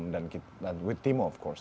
dan dengan timo tentu saja